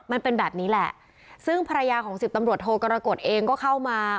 มันเป็นแบบนี้แหละซึ่งภรรยาของสิบตำรวจโทกรกฎเองก็เข้ามา